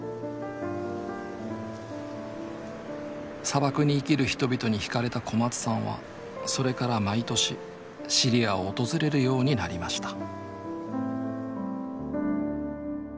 砂漠に生きる人々に惹かれた小松さんはそれから毎年シリアを訪れるようになりました